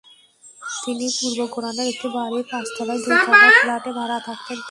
তিনি পূর্ব গোড়ানের একটি বাড়ির পাঁচতলায় দুই কামরার ফ্ল্যাটে ভাড়া থাকতেন তিনি।